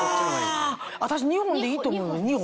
私２本でいいと思うの２本。